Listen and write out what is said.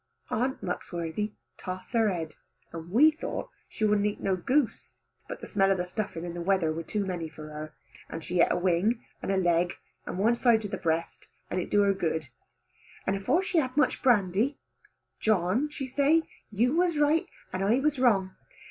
Aunt Muxworthy toss her head, and we thought she wouldn't eat no goose, but the smell of the stuffing and the weather was too many for her; and she eat a wing, and a leg, and one side of the breast, and it do her good. And afore she had had much brandy, "John," she say, "you was right and I was wrong.